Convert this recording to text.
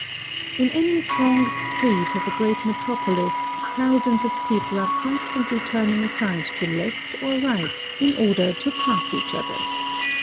In any thronged street of a great metropolis thousands of people are constantly turning aside to left or right in order to pass each other.